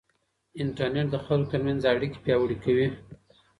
انټرنيټ د خلکو ترمنځ اړیکې پیاوړې کوي.